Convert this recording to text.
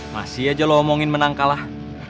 masih aja lo omongin menang kalah